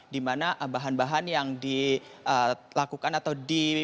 di mana bahan bahan yang dilakukan atau dilakukan